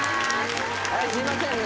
はいすいませんね